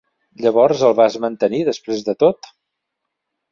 Llavors el vas mantenir després de tot?